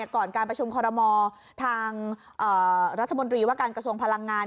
ก่อนการประชุมคอรมอทางรัฐมนตรีว่าการกระทรวงพลังงาน